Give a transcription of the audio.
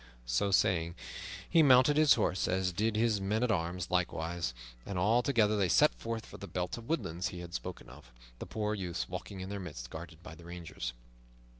So saying, he mounted his horse, as did his men at arms likewise, and all together they set forth for the belt of woodlands he had spoken of, the poor youths walking in their midst guarded by the rangers.